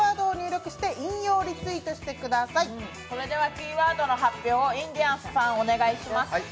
キーワードの発表をインディアンスさんお願いします。